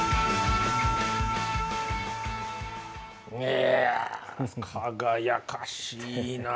いやぁ輝かしいな。